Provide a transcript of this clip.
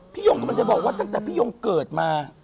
พี่ย่งก็มันจะบอกว่าตั้งแต่พี่ย่งเกิดมา